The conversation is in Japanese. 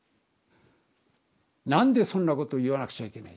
なんでそんなこと言わなくちゃいけない。